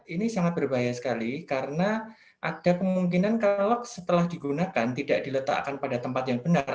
ini sangat berbahaya sekali karena ada kemungkinan kalau setelah digunakan tidak diletakkan pada tempat yang benar